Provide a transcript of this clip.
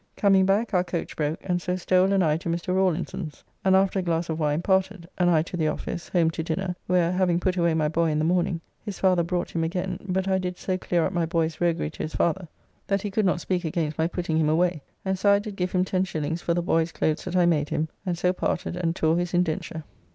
Coming back our coach broke, and so Stowell and I to Mr. Rawlinson's, and after a glass of wine parted, and I to the office, home to dinner, where (having put away my boy in the morning) his father brought him again, but I did so clear up my boy's roguery to his father, that he could not speak against my putting him away, and so I did give him 10s. for the boy's clothes that I made him, and so parted and tore his indenture.